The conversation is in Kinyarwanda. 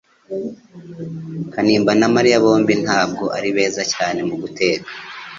Kanimba na Mariya bombi ntabwo ari beza cyane mu guteka